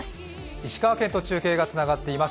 石川県と中継がつながっています。